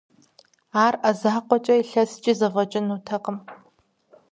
Ар Ӏэ закъуэкӀэ илъэскӀи зэфӀэкӀынутэкъым.